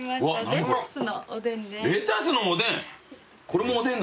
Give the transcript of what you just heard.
レタスのおでん？